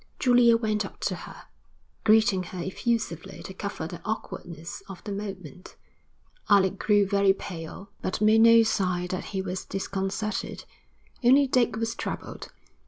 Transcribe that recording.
Julia went up to her, greeting her effusively to cover the awkwardness of the moment. Alec grew very pale, but made no sign that he was disconcerted. Only Dick was troubled.